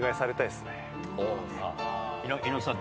猪木さん